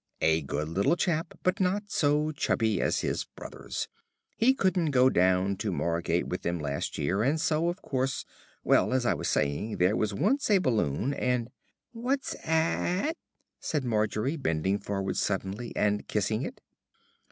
A good little chap, but not so chubby as his brothers. He couldn't go down to Margate with them last year, and so, of course Well, as I was saying, there was once a balloon, and " "What's a a 'at?" said Margery, bending forward suddenly and kissing it.